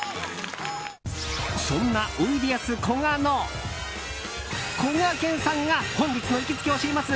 そんな、おいでやすこがのこがけんさんが本日の行きつけ教えます！